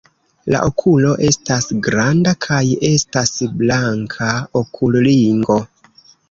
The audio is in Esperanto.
La okulo estas granda kaj estas blanka okulringo.